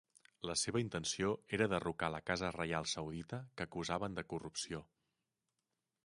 La seva intenció era derrocar la casa reial saudita que acusaven de corrupció.